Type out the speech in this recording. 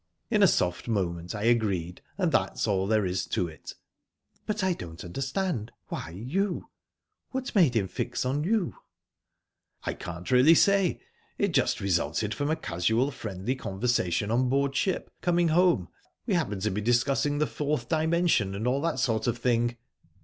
In a soft moment I agreed and that's all there is to it." "But I don't understand. Why you? What made him fix on you?" "I really can't say. It just resulted from a casual friendly conversation on board ship, coming home. We happened to be discussing the Fourth Dimension, and all that sort of thing."